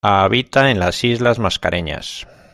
Habita en las Islas Mascareñas.